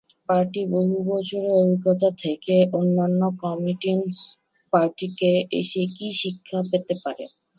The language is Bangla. পার্টির বহু বছরের অভিজ্ঞতা থেকে অন্যান্য কমিউনিস্ট পার্টি কী শিক্ষা পেতে পারে।